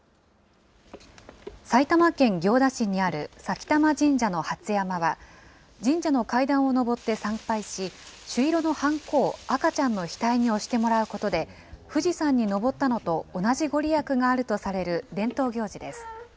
埼玉県行田市にある前玉神社の初山は、神社の階段を上って参拝し、朱色のはんこを赤ちゃんの額に押してもらうことで、富士山に登ったのと同じ御利益があるとされる伝統行事です。